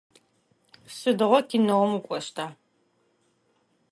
Сыдигъо кинэум укӏощта?